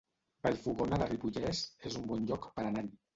Vallfogona de Ripollès es un bon lloc per anar-hi